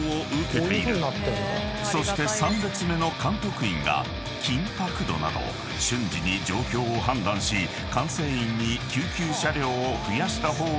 ［そして３列目の監督員が緊迫度など瞬時に状況を判断し管制員に「救急車両を増やした方がいい」などを指示］